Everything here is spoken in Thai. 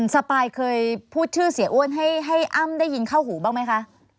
สปายเคยพูดชื่อเสียอ้วนให้อ้ำได้ยินเข้าหูบ้างไหมคะ